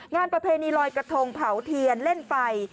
ประเพณีลอยกระทงเผาเทียนเล่นไฟ